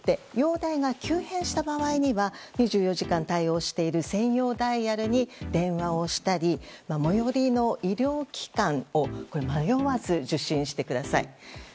容体が急変した場合には２４時間対応している専用ダイヤルに電話をしたり最寄りの医療機関を迷わず受診してください。